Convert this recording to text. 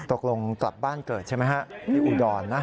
ตกลงกลับบ้านเกิดใช่ไหมครับอุดรนะ